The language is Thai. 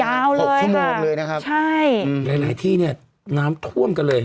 ยาวเลยค่ะใช่หลายที่เนี่ยน้ำท่วมกันเลย